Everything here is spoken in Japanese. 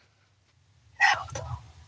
なるほど。